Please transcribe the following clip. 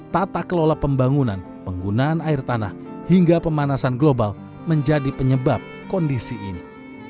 tata kelola pembangunan penggunaan air tanah hingga pemanasan global menjadi penyebab kondisi ini